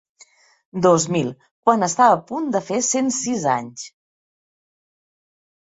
Dos mil, quan estava a punt de fer cent sis anys.